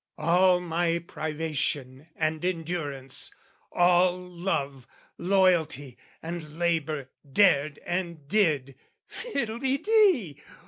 All my privation and endurance, all Love, loyalty, and labour dared and did, Fiddle de dee!